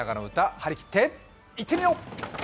張り切っていってみよう！